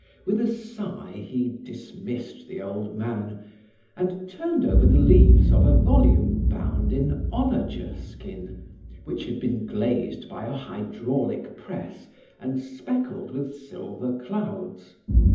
With a sigh, he dismissed the old man, and turned over the leaves of a volume bound in onager skin which had been glazed by a hydraulic press and speckled with silver clouds.